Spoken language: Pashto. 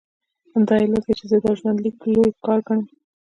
همدا علت دی چې زه دا ژوندلیک لوی کار ګڼم.